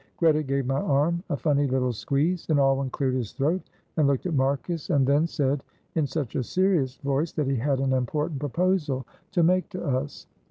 Greta gave my arm a funny little squeeze, and Alwyn cleared his throat and looked at Marcus, and then said in such a serious voice that he had an important proposal to make to us.